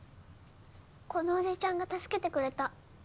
このおじちゃんが助けてくれた。